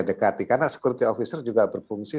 dekati karena security officer juga berfungsi